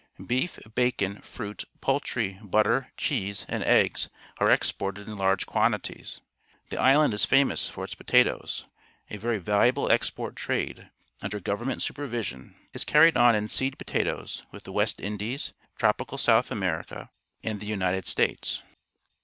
Beef, bacon, fruit, poulr try, butt er, cheese, and eggs are exported in large quantities. The island is famous for it s potatoes : a verv valuable export trade, imder"~~government super\'ision, is carried on in seed potatoes with the West Indies, tropical South .America, and the United States.